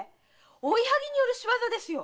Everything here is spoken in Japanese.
追いはぎによる仕業ですよ！